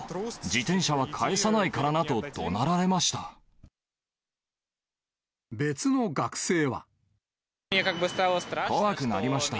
自転車は返さないからなとどなられました。